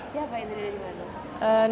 siapa ini dari mana